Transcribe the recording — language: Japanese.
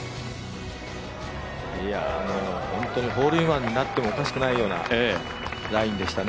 本当にホールインワンになってもおかしくないようなラインでしたね。